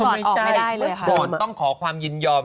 ไม่ใช่เมื่อก่อนต้องขอความยินยอม